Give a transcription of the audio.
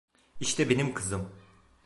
İşte benim kızım.